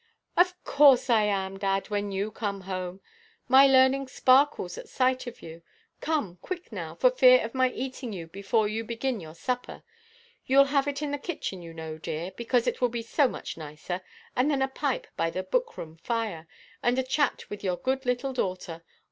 "Of course I am, dad, when you come home. My learning sparkles at sight of you. Come, quick now, for fear of my eating you before you begin your supper. Youʼll have it in the kitchen, you know, dear, because it will be so much nicer; and then a pipe by the book–room fire, and a chat with your good little daughter.